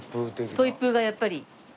トイプーがやっぱり。